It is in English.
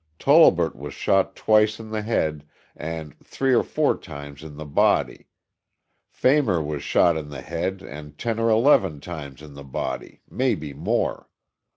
Tolbert was shot twice in the head and three or four times in the body. Phamer was shot in the head and ten or eleven times in the body, maybe more.